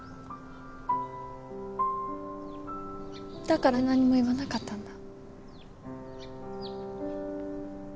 だから何にも言わなかったんだ。